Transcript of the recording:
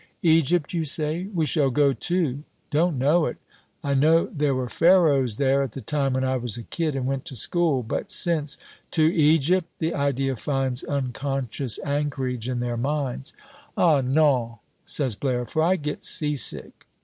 "Egypt, you say, we shall go to? Don't know it. I know there were Pharaohs there at the time when I was a kid and went to school, but since " "To Egypt!" The idea finds unconscious anchorage in their minds. "Ah, non," says Blaire, "for I get sea sick.